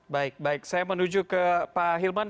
baik baik saya menuju ke pak hilman